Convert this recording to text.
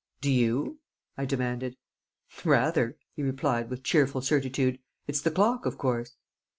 "Do you?" I demanded. "Rather!" he replied, with cheerful certitude. "It's the clock, of course."